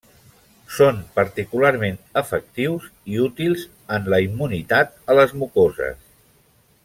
Són particularment efectius i útils en la immunitat a les mucoses.